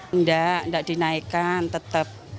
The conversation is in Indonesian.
tidak tidak dinaikkan tetap